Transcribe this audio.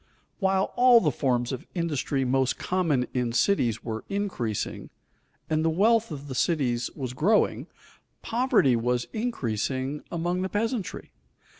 While all the forms of industry most common in cities were increasing, and the wealth of the cities was growing, poverty was increasing among the peasantry.